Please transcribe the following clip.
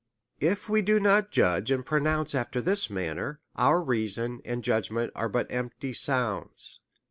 If we do not judge and pronounce after this manner, our reason and judgment are but empty sounds.